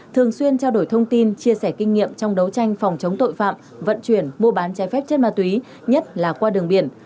thường xuyên trao đổi thông tin chia sẻ kinh nghiệm trong đấu tranh phòng chống tội phạm vận chuyển mua bán trái phép chất ma túy nhất là qua đường biển